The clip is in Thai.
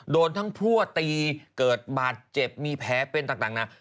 โดนทั้งพลั่วตีเกิดบาดเจ็บมีแผลเป็นต่างนะ